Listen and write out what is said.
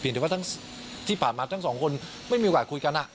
แต่ว่าทั้งที่ผ่านมาทั้งสองคนไม่มีโอกาสคุยกัน